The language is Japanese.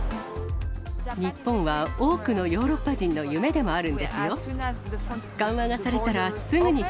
日本は多くのヨーロッパ人の夢でもあるんですよ。